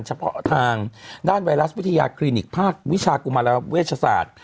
เฉพาะทางด้านไวรัสวิทยาคลินิกภาควิชากุมารเวชศาสตร์